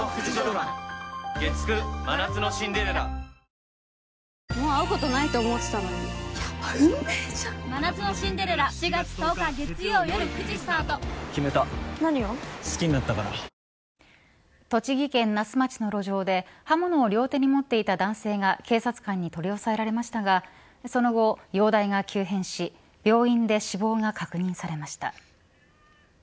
ルーキーでのオールスター出場は栃木県那須町の路上で刃物を両手に持っていた男性が警察官に取り押さえられましたがその後、容体が急変し病院で死亡が確認されました。